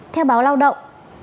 theo báo lao động